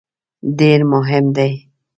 ډېر مهم دی.